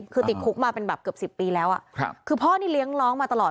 คือติดคุกมาเป็นแบบเกือบ๑๐ปีแล้วคือพ่อนี่เลี้ยงน้องมาตลอด